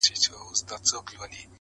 ما د مرگ ورځ به هم هغه ورځ وي.